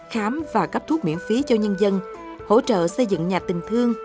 khám và cấp thuốc miễn phí cho nhân dân hỗ trợ xây dựng nhà tình thương